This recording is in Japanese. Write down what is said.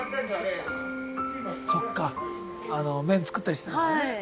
そっか麺作ったりしてたからね。